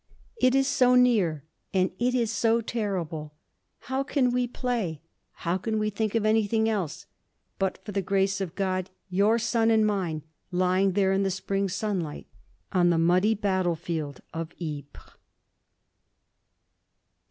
It is so near. And it is so terrible. How can we play? How can we think of anything else? But for the grace of God, your son and mine lying there in the spring sunlight on the muddy battlefield of Ypres!